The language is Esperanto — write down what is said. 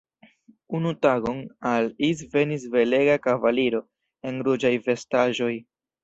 Unu tagon al Is venis belega kavaliro en ruĝaj vestaĵoj.